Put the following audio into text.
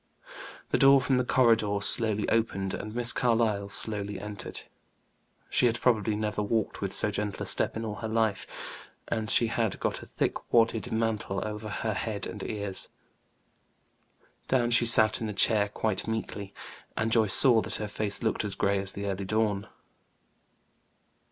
The door from the corridor slowly opened, and Miss Carlyle slowly entered. She had probably never walked with so gentle a step in all her life, and she had got a thick wadded mantle over her head and ears. Down she sat in a chair quite meekly, and Joyce saw that her face looked as gray as the early dawn.